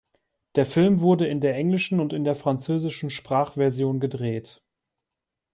Der Film wurde in der englischen und in der französischen Sprachversion gedreht.